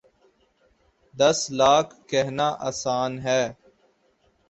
دس لاکھ کہنا آسان ہے۔